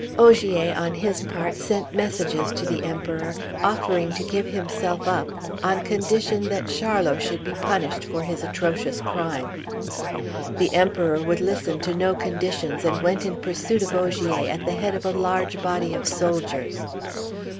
Ogier on his part sent messages to the Emperor, offering to give himself up on condition that Charlot should be punished for his atrocious crime. The Emperor would listen to no conditions, and went in pursuit of Ogier at the head of a large body of soldiers.